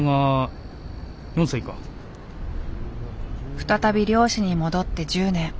再び漁師に戻って１０年。